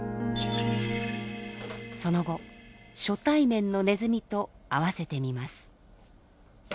その後初対面のネズミと会わせてみます。